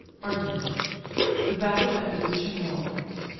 ARGUMENT. THE BATTLE AT THE GRECIAN WALL.